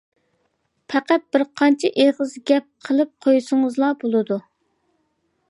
پەقەت بىر قانچە ئېغىز گەپ قىلىپ قويسىڭىزلا بولىدۇ.